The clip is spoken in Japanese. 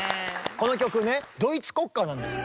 この曲ねドイツ国歌なんですよ。